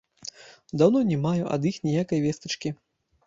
Даўно не маю ад іх ніякай вестачкі.